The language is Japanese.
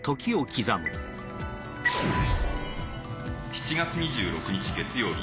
７月２６日月曜日